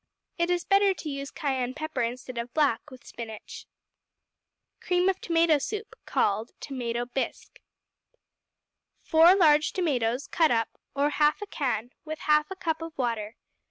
It is better to use cayenne pepper instead of black with spinach. Cream of Tomato Soup, Called Tomato Bisque. 4 large tomatoes, cut up, or 1/2 can, with 1/2 cup of water.